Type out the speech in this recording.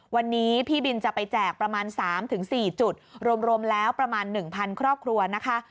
วันนี้พี่บินจะไปแจกประมาณ๓๔จุดรวมแล้วประมาณ๑๐๐ครอบครัวนะคะ